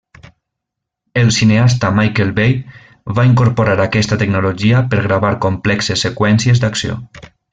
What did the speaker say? El cineasta Michael Bay va incorporar aquesta tecnologia per gravar complexes seqüències d'acció.